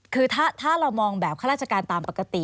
คือถ้าเรามองแบบข้าราชการตามปกติ